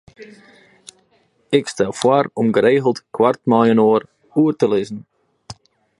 Ik stel foar om geregeld koart mei-inoar oer te lizzen.